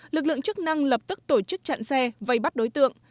lực lượng chức năng lập tức tổ chức chặn xe vây bắt đối tượng